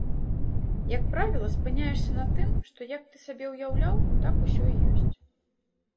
Як правіла, спыняешся на тым, што, як ты сабе ўяўляў, так усё і ёсць.